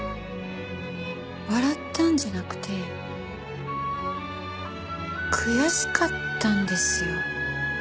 笑ったんじゃなくて悔しかったんですよ。